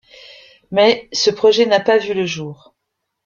Mais ce projet n'a pas vu le jour.